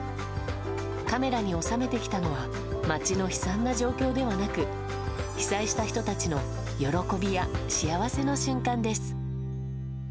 カメラに収めてきたのは街の悲惨な状況ではなく被災した人たちの喜びや幸せの瞬間です。